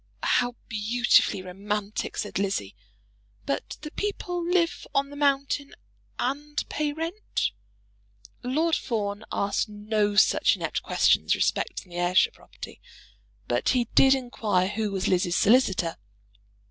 "How beautifully romantic!" said Lizzie. "But the people live on the mountain and pay rent?" Lord Fawn asked no such inept questions respecting the Ayrshire property, but he did inquire who was Lizzie's solicitor.